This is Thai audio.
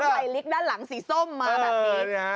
ใส่ลิกด้านหลังสีส้มมาแบบนี้